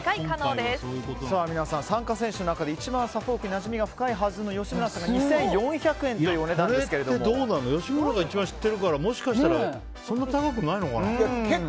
皆さん参加選手の中で一番なじみが深いはずの吉村さんが２４００円という吉村が一番知ってるからもしかしたらそんな高くないのかな？